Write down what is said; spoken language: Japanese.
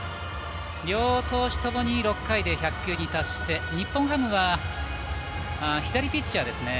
両投手ともに６回で１００球に達して日本ハムは左ピッチャーですね。